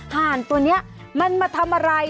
ห่านตัวนี้มันมาทำอะไร